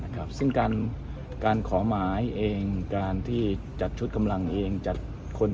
ทางมาด้วยตัวเองแล้วก็มามาทั้งค่าตรวจค้นนะครับอืมทำไมถึงต้องมีการตรวจค้นทางบ้านของท่านสุรเชษฐ์ครับ